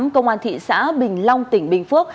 công an thị xã bình long tỉnh bình phước